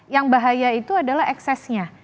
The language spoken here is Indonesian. yang bahaya itu adalah eksesnya